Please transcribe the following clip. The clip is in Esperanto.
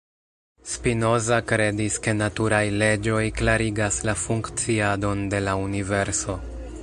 Spinoza kredis ke naturaj leĝoj klarigas la funkciadon de la universo.